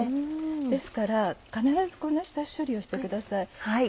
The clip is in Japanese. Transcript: ですから必ずこの下処理をしてください。